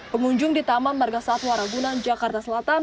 pengunjung di taman margasatwa ragunan jakarta selatan